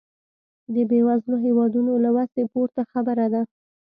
د بېوزلو هېوادونو له وسې پورته خبره ده.